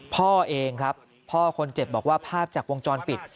พ่อเองครับพ่อคนเจ็บบอกว่าภาพจากวงจรปิด